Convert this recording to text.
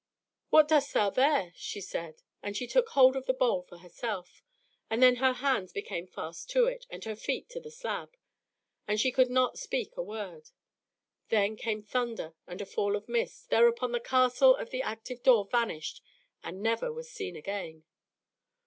"What dost thou here?" she said, and she took hold of the bowl for herself; and then her hands became fast to it, and her feet to the slab, and she could not speak a word. Then came thunder and a fall of mist; thereupon the Castle of the Active Door vanished and never was seen again.